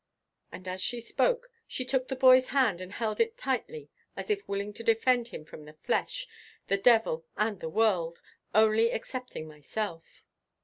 And as she spoke she took the boy's hand and held it tightly as if willing to defend him from the flesh, the devil and the world, only excepting myself.